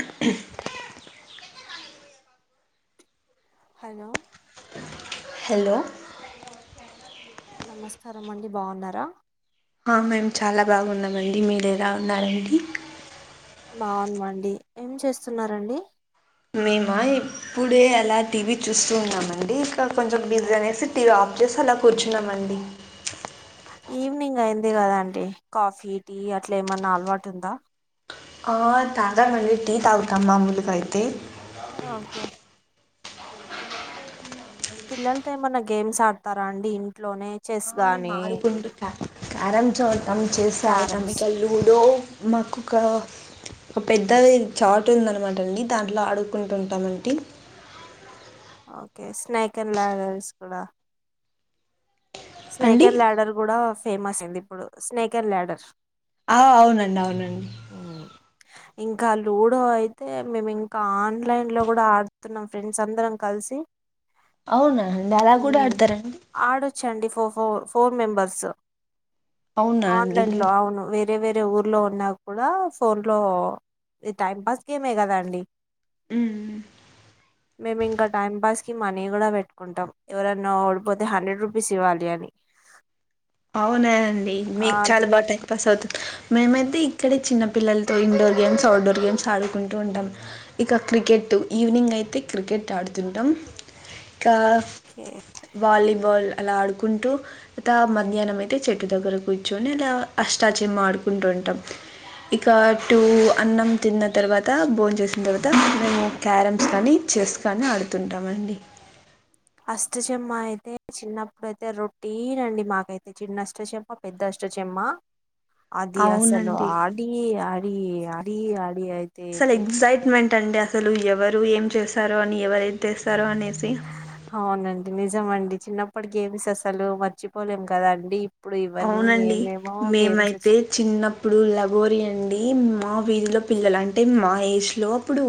ఆహ్. Hello. Hello. నమస్కారం అండి బాగున్నారా. ఆహ్ మేమ్ చాలా బాగున్నామండి మీరు ఎలా ఉన్నారండి. బాగున్నామండి ఏం చేస్తున్నరండి. మేమా ఇప్పుడే అలా టీవీ చూస్తూ ఉన్నామండి ఇంకా కొంచెం బిజీ అనేసి టీవీ ఆఫ్ చేసి. చేసి అలా కూర్చున్నామండి. ఈవినింగ్ అయింది కదా అండి కాఫీ టీ అట్లా ఏమన్నా అలవాటు ఉందా. ఆహ్ తాగానండి టీ తాగుతా మామూలుగా అయితే ఓకే. పిల్లలతో ఏమన్నా గేమ్స్ ఆడతారా అండి ఇంట్లోనే. చెస్ మామూలుగా గానీ అయితే క్యారమ్స్ ఆడుతాం చెస్ ఆడుతాం క్యారమ్స్ ఇంకా లూడో. మాకు ఒక. ఒక పెద్దది చాట్ ఉందనమాటండి దాంట్లో ఆడుకుంటుంటామండి. ఓకే స్నాక్ అండ్ ల్యాడర్స్ కూడా. స్నేక్ అండి అండ్ ల్యాడర్ కూడా ఫేమస్ అయింది ఇప్పుడు స్నేక్ అండ్ ల్యాడర్. ఆహ్ అవునండి అవునండి. ఇంకా లూడో అయితే మేము ఇంకా ఆన్లైన్ లో కూడా ఆడుతున్నాం ఫ్రెండ్స్ అందరంకా. కల్సి అవునా అండి అలా కూడా ఆడతారండి ఆడొచ్చండి ఒక్ ఒక ఫోర్ మెంబెర్సు అవునా అండి అట్లాట్ల అవును వేరేవేర్ మేం ఊర్లో ఉన్నా కూడా ఫోన్లో ఇది టైం పాస్ గేమే కదా అండి ఉమ్ మేము ఇంకా టైం పాస్ కి మనీ కూడా పెట్టుకుంటాం ఎవరన్నా ఓడిపోతే హండ్రెడ్ రూపీస్ ఇవ్వాలి అని అవునాండి ఆ, మీకు చాలా బాగా టైం పాస్ అవుతుంది మేమైతే ఇక్కడ చిన్నపిల్లలతో ఇండోర్ గేమ్స్ అవుట్డోర్ గేమ్స్ ఆడుకుంటూ ఉంటాం ఇక క్రికెట్ ఈవినింగ్ అయితే క్రికెట్ ఆడుతుంటాం ఇంకా ఓకే వాలీబాల్ అలా ఆడుకుంటూ త మాధ్యాహ్నం అయితే చెట్టు దగ్గర కూర్చుని ఇలా అష్టాచయం ఆడుకుంటు ఉంటాం ఇక టూ అన్నం తిన్న తర్వాత బోన్ చేసిన తర్వాత మేము క్యారమ్స్ కానీ చేస్ కాని ఆడుతుంటమండి అష్ట చెమ్మ అయితే చిన్నప్పుడు అయితే రొటీనండి మాకైతే చిన్నష్ట చెమ్మ పెద్ద అష్ట చెమ్మ ఆ అది అసలు అవునండి అడి అడి అడి అడి అయితే థాంకసలు ఎవరు ఏం చేస్తారో అని ఎవరు తెస్తారో అనేది అవునండి నిజమండి చిన్నప్పటి గేమ్స్ అసలు మర్చిపోలేం కదా అండి ఇప్పుడు ఇవన్నీ అవునండి ఏమేమో గేమ్స్ మేమైతే వచ్చి చిన్నప్పుడు లగోరీ అండి మా వీధిలో పిల్లలు అంటే మా ఏజ్లో అప్పుడు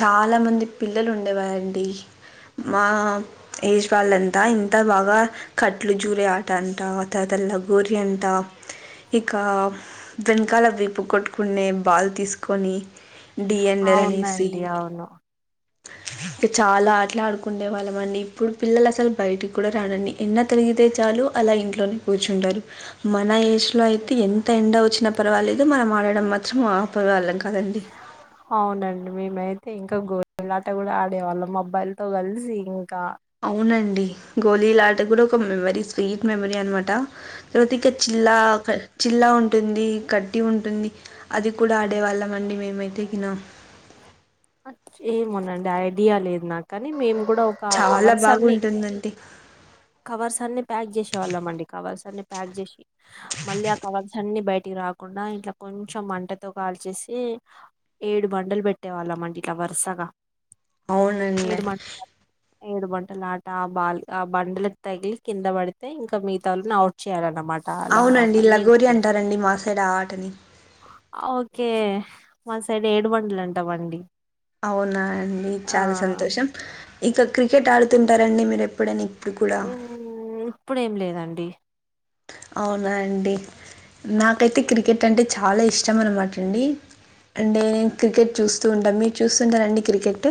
చాలా మంది పిల్లలు ఉండేవారండి మా ఏజ్ వాళ్ళంతా ఇంత బాగా కట్లు జూరే ఆట అంటత త లాగోరి అంట ఇక వెనకాల విప్పు కొట్టుకునే బల్ తీసుకొని డి యండర్ అనిసి అవునండి అవును ఇక చాలా ఆటలా ఆడుకుండే వాళ్ళం అండి ఇప్పుడు పిల్లలు అసలు బయటికి కూడా రారండి ఎండ తిరిగితే చాలు అలా ఇంట్లోని కూర్చుంటారు మన ఏజ్లో అయితే ఎంత ఎండ వచ్చిన పర్వాలేదుో మనం ఆడటడం మాత్రం ఆ పర్వాలంగా కదండి అవునండి మేమైతే ఇంకా గోలీలాట కూడా ఆడేవాళ్ళం మొబ్బైల్ తో కలిసిం అవునండి గోలీలాట కూడా ఒక మెమరీ స్వీట్ మెమరీ అనమాట తర్వాత ఇంకా చిల్లా ఇల్లా ఉంటుంది కట్టి ఉంటుంది అది కూడా ఆడేవాళ్ళం అండి మేమైతే గినం అ ఏమోనండి ఐడియా లేదు నా కానీ మేము కూడా ఒక చాలా కవర్స్ అన్ని బాగుంటుందండి కవర్స్ అన్ని ప్యాక్ చేసేవాళ్ళం అండి కవర్స్ అన్ని ప్యాక్ చేసి మళ్ళీ ఆ కవర్స్ అన్ని బయట కి రాకుండా ఇట్లా కొంచెం మంటతో కాల్చేసి ఏడు బండలు పెట్టే వాళ్ళంట ఇట్లా వర్షగా అవునుండి ఏడు బంటలు ఆట ఆ బాల్ ఆ బంటలకు తగిలి కింద పడితే ఇంకా మిగతా వాని అవుట్ చేయాలంట మాట అలాహ అవునండి అన్నీ లగోరి అంటారండి మా సైడ్ ఆ ఆటని ఓకే మా సైడ్ ఏడు బండలు అంటమండీ అవునా అండి చాలా సంతోషం ఇక క్రికెట్ ఆడుతుంటారండి మీరు ఎప్పుడైనా ఇప్పుడు కూడ మ్మ్ ఇప్పుడేం లేదండి అవునా అండి నాకైతే క్రికెట్ అంటే చాలా ఇష్టం అన్నమాట అండి అంటేే క్రికెట్ చూస్తూ ఉంటాం మీరు చూస్తూ ఉంటారా అండి క్రికెట్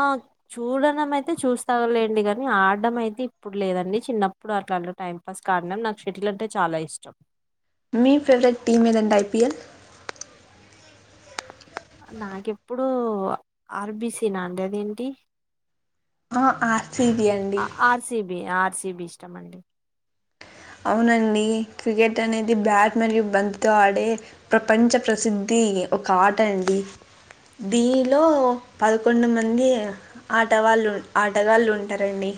ఆ చూడడం అయితే చూస్తాలేండి కానీ ఆడడం అయితే ఇప్పుడు లేదండి చిన్నప్పుడు అట్లాలో టైం పాస్ కారం నాకు షటిల్ అంటే చాలా ఇష్టం మీ ఫేవరెట్ టీమ్ ఏదంట ఆఐపీఎల్ నాకెప్పుడు ఆర్బిసి నాండి అదేంటి బ ఆ ఆర్‌సీబీ అండి. ఆర్సిబి ఆర్సిబి ఇష్టం అండి అవునండి క్రికెట్ అనేది బ్యాట్ మరియు బంత్తో ఆడే ప్రపంచ ప్రసిద్ధి ఒక ఆట అండి దీనిలో పదకొండు మంది ఆటవాళ్ళు ఆటగాళ్ళు ఉంటారండి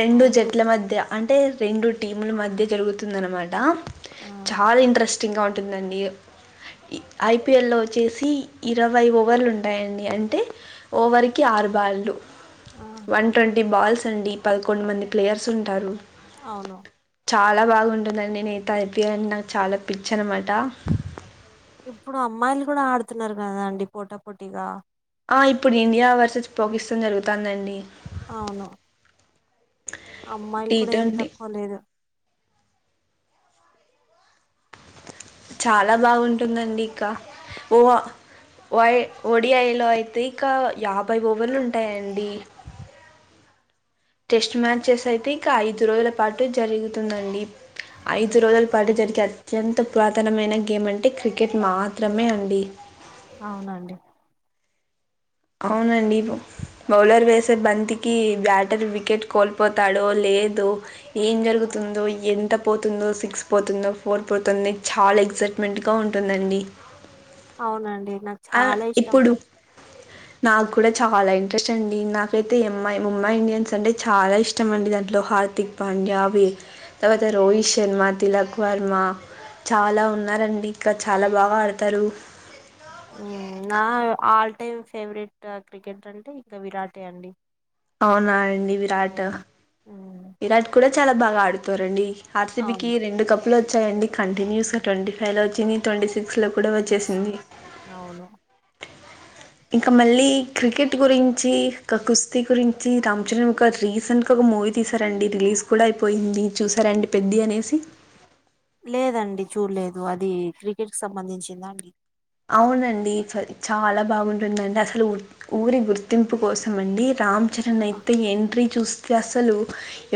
రెండు అవును ఇప్ జట్ల మధ్య అంటే రెండు టీముల మధ్య జరుగుతుంది అనమాట ఆ చాలా ఇంట్రెస్టింగ్గా ఉంటుందండి ఐపిఎల్ వచ్చేసి ఇరవై ఓవర్లు ఉంటాయండి అంటే ఓవర్ క ఆ ఆరు బాు ఆ వన్ ట్వంటీ బాల్స్ అండి పదకొండు మంది ప్లేయర్స్ ఉంటారు అవును చాలా బాగుంటుందండి నేను ఇతే అనిపించాలంటని నాకు చాలా పిచ్చ అనమాట ఇప్పుడు అమ్మాయిలు కూడా ఆడుతున్నారు కదా అండి పోటా పోటీగా ఆ ఇప్పుడు ఇండియా వరుస పోకిస్తాన్ జరుగుతుందండి అవును అమ్మాయిలు టీ కూడా ఏమి ట్వంటీ తక్కువ లేదు చాలా బాగుంటుందండి ఇకా ఓహ వయ ఒడియాలో అయితే ఇంక యాభై ఓవర్లు ఉంటాయండి టెస్ట్ మ్యాచెస్ అయితే ఇక ఐదు రోజుల పాటు జరుగుతుందండి ఐదు రోజుల పాటు జరిగే అత్యంత పురాతనమైన గేమ్ అంటే క్రికెట్ మాత్రమే అండి అవునండి అవునండి బౌలర్ వేసే బంతికి బ్యాటర్ వికెట్ కోల్పోతాడో లేదు ఏం జరుగుతు పోతుందో ఎంత పోతుందో సిక్స్ పోతుందో ఫోర్ పోతుంది చాలా ఎక్సైట్మెంట్ గా ఉంటుందండి అవునండి నాకు ఆ చాలా ఇష్టం ఇప్పుడు నాకు కూడా చాలా ఇంట్రెస్ట్ అండి నాకైతే ఎమ్మాయి ముంబై ఇండియన్స్ అంటే చాలా ఇష్టం అండి దాంట్లో హార్తిక్ పాండ్యావి తవాతే రోహిత శర్మా తిలక వర్మా చాలా ఉన్నారండి ఇంకా చాలా బాగా ఆడతారు నా ఆల్ టైమ్ ఫేవరెట్ క్రికెట్ర్ అంటే ఇంకా విరాటే అండి అవునా అండి విరాట్ హ్మ్. హ్మ్. విరాట్ కూడా చాలా బాగా ఆడుతారండి ఆర్సిబి అవును రెండు కపులు వచ్చాయండి కంటిన్యూస్గా ట్వంటీ ఫైవ్ లో వచ్చింది ట్వంటీ సిస్ ట్వంటీ సిక్స్ లో కూడా అస్ వచ్చేసింది అవును ఇంకా మళ్ళీ క్రికెట్ గురించి ఇ కుస్తీ గురించి రామ్ చరణ్ ఒక రీసెంట్ గా ఒక మూవీ తీసారండి రిలీజ్ కూడా అయిపోయింది చూసారండి పెద్ది అనేసి లేదండి చూడలేదు అది క్రికెట్ కి సంబంధించిందా అండి అవునండి చాలా బాగుంటుందండి అసలు ఊరి గుర్తింపు కోసం అండి రామ్ చరణ్ ఆహా అయితే ఎంట్రీ చూస్తే అసలు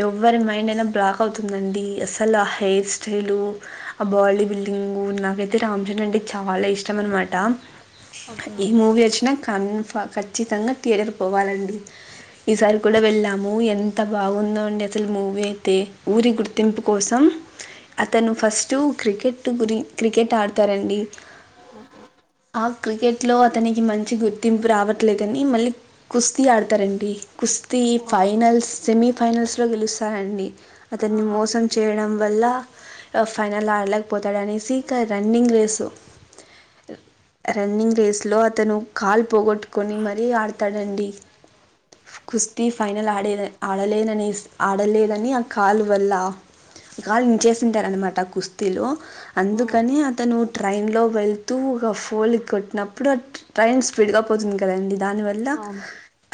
ఎవరి మైండ్ అయినా బ్లాక్ అవుతుందండి అసలు ఆ హెయిర్ స్టైలు ఆ బాడీ బిల్డింగ్ నాకైతే రామ్చంద్ అంటే చాలా ఇష్ ష్టం అనమాట ఓకే ఈ మూవీ వచ్చినా కన్ఫ ఖచ్చితంగా థియేటర్ పోవాలండి ఈసారి కూడా వెళ్ళాము ఎంత బావుందో అండి అసలు మూవీ అయితే ఊరి గుర్తింపు కోసం అతను ఫస్ట్ క్రికెట్ గురి క్రికెట్ ఆడతారండి. ఉహు ఆ క్రికెట్లో అతనికి మంచి గుర్తింపు రావట్లేదని మళ్ళీ కుస్తీ ఆడతారండి. కుస్తీ ఓకే. ఫైనల్స్ సెమీఫైనల్స్లో గెలుస్తారండి అతన్ని ఆహా మోసం చేయడం వల్ల ఫైనల్ ఆడలేకపోతాడు అనేసి ఇంక రన్నింగ్ రేసు అ రన్నింగ్ రేస్లో అతను కాల్ పోగొట్టుకొని మరీ ఆడతాడండి. కుస్తీ ఫైనల్ ఆడేదా ఆడలేననెస్ ఆడలేనని ఆ కాల్ వల్ల గాయం చేసింటార అనమాట కుస్తీలు హ్మ్. అందుకని అతను ట్రైన్ లో వెళ్తూ ఒక ఫోల్ని కొట్టినప్పుడు ట్రైన్ స్పీడ్ గా పోతుంది కదండి. దానివల్ల అవును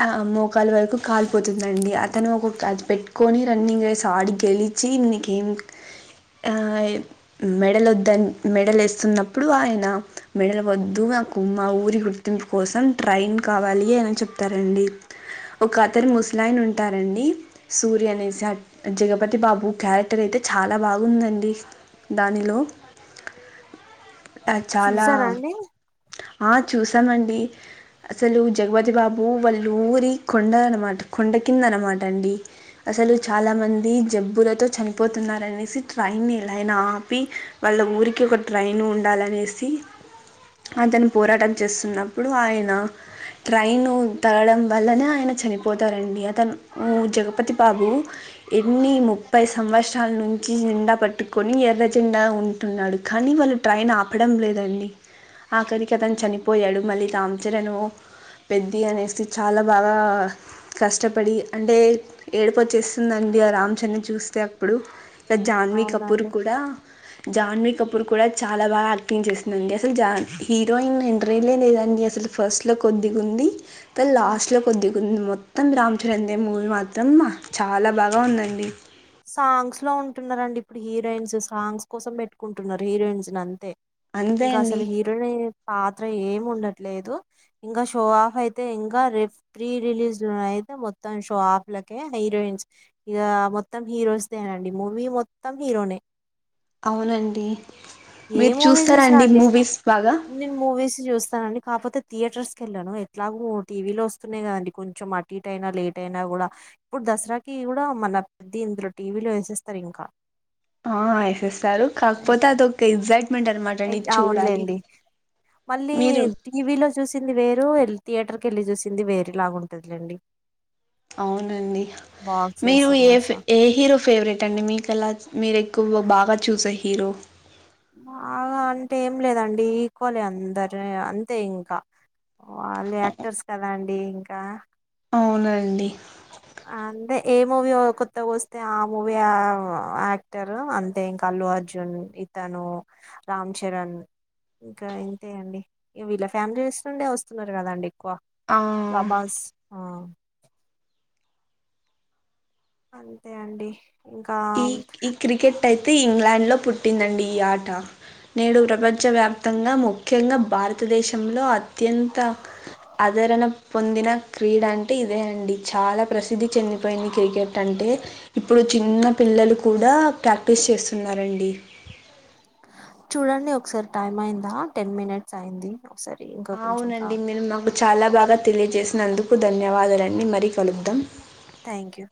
అ మొకాలు వరకు కాలిపోతుందండి. అతను ఒక అది పెట్టుకొని రన్నింగ్ వేసి ఆడి గెలిచి నీకేం ఆయ్ మెడల్ వద్దని మెడల్ ఏస్తున్న ప్పుడు ఆయన మెడలవద్దు నాకు మా ఊరి గుర్తింపు కోసం ట్రైన్ కావాలి ఆయన చెప్ తారండి ఒక అతను ముసలాయిన ఉంటారండి సూర్య అనేసి అ జగపతి బాబు క్యారెక్టర్ అయితే చాలా బాగుందండి దానిలో ఆ చాలా చూసారా అండి ఆ చూసామండి అసలు జగపతి బాబు వాళ్ళు ఊరి కొండ అనమాట కొండ కింద ర మాట అండి అసలు హ్మ్. చాలా మంది జబ్బులతో చనిపోతున్నారనేసి ట్రైన్ని ఎలా అయినా ఆపి వాళ్ళ ఊరికి ఒక ట్రైన్ ఉండాలని నేసి అతను పోరాటం చేస్తున్నప్పుడు ఆయన ట్రైను తాళం వల్లన ఆయన చనిపోతారండి అతను ఉ జగపతిబాబు ఎన్ని ముప్పై సం వత్సరాలా నుంచి జెండా పట్టుకొని ఎర్ర జెండా ఉంటున్నాడు. కానీ వాళ్ళు ట్రైన్ ఆ ప్పడం లేదండి ఆఖరికి అతను హ్మ్. చనిపోయాడు మళ్ళీ రాంచరణు పెద్ది అనేసి చాలా బాగా కష్టపడి అంటే ఏడుపు వచ్చేస్తుందం డి ఆ రామ్చరణ్ న్ని చూస్తే అప్పుడు జాన్వీ కపూర్ అవునండి కూడా జాన్వీ కపూర్ కూడా చాలా బాగా యా క్టింగ్ చేసిందండి. అసలు జా హీరోయిన్ ఎంట్రీనే లేదండి అసలు ఫస్ట్ లో కొద్దిగా ఉంది. త లాస్ట్ లో కొద్ది మ్ మొత్తం రామ్ చరణ్ దే మూవీ మాత్రం చాలా బాగా ఉందండి. సాంగ్స్ లో ఉంటున్నరండి ఇప్పుడు హీరోయిన్స్ సాంగ్స్ కోసం పెట్టుకుంటున్నారు హీరోయిన్స్ ని అంతే. అంతే ఇంకా అండి అసలు హీరోయిన్ పాత్ర ఏం ఉండట్లేదు ఇంకా షో ఆఫ్ అయితే ఇంకా రేప్ ప్రీ రిలీజ్ లో అయితే మొత్తం షో హఫ్ లకే హీరోయిన్స్ ఇగ మొత్తం హీరోస్ దేనండి మూవీ మొత్తం హీరోనే. అవునండి ఏ మీరు మూవీ చూసినా చూస్తారండి అండి మూవీస్ బాగా నేను మూవీస్ చూస్తానండి కాపోతే థియేటర్స్ కి వెళ్ళను ఎట్లాగ టీవీ లో వస్తున్నాయి కదండి. కొంచెం అటు ఇటు అయినా లేట్ అయినా కూడా ఇప్పు దసరాకి కూడా మన ద్ది ఇందులో టీవీలో ఏసేస్తారు ఇంకా. ఆ ఏసేస్తారు కాకపోతే అదొక ఎగ్జాక్ట్ ఇక అవునులేండి మళ్ళీ మీరు టీవీ లో చూసింది వేరు థియేటర్కెళ్లి చూసింది వేరేలాగా ఉంటదిలెండి. అవునండి మీరు ఏ ఏ హీరో ఫేవరెట్ అండి మీకలా మీరు. ఎక్కువ బాగా చూసే హీరో. బాగా అంటే ఏం లేదండి ఈక్వలే అందరు అంతే ఇంకా. వాళ్ళే యాక్టర్స్ కదా అండి ఇంకా. అవునండి. అంటే ఏ మూవీ కొత్తగా వస్తే ఆ మూవీ యాక్టర్ అంతే ఇంకా అల్లు అర్జున్. ఇతను రామ్ చరణ్. ఇంకా ఇంతే అండి వీళ్ల ఫామిలీస్ నుండే వస్తున్నారు కదండి. ఎక్కువ ఆ ప్రభాస్. ఆ అంతే అండి. ఇంకా ఈ ఈ క్రికెట్ అయితే ఇంగ్లాండ్ లో పుట్టిందండి ఈ ఆట. నేడు ప్రపంచవ్యాప్తంగా ముఖ్యంగా భారతదేశంలో అత్యంత. ఆదరణ పొందిన క్రీడ అంటే ఇదే అండి చాలా. ప్రసిద్ధి చెందిపోయింది క్రికెట్ అంటే ఇప్పుడు చిన్న. పిల్లలు కూడా ప్రాక్టీస్ చేస్తున్నారండి. చూడండి ఒకసారి టైమ్ అయిందా టెన్ మినిట్స్ అయింది ఒకసారి. ఇంకా కొంచెం కా అవునండి మీరు మంగల్. చాలా బాగా తెలియజేసినందుకు ధన్యవాదాలండి మళ్ళీ కలుదాం. Thank you.